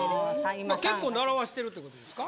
結構習わしてるってことですか？